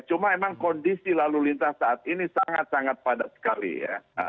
cuma emang kondisi lalu lintas saat ini sangat sangat padat sekali ya